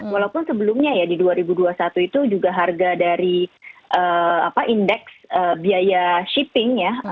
walaupun sebelumnya ya di dua ribu dua puluh satu itu juga harga dari indeks biaya shipping ya